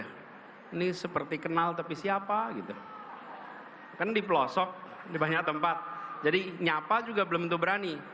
ini seperti kenal tapi siapa gitu kan di pelosok di banyak tempat jadi nyapa juga belum tentu berani